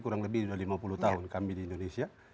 kurang lebih lima puluh tahun kami di indonesia